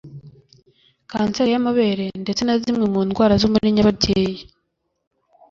kanseri y’amabere ndetse na zimwe mu ndwarazo muri nyababyeyi